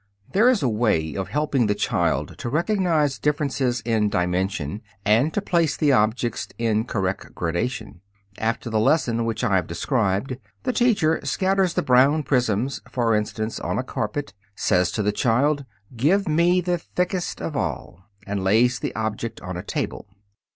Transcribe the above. There is a way of helping the child to recognize differences in dimension and to place the objects in correct gradation. After the lesson which I have described, the teacher scatters the brown prisms, for instance, on a carpet, says to the child, "Give me the thickest of all," and lays the object on a table.